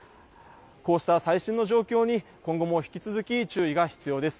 こうした最新の状況に、今後も引き続き注意が必要です。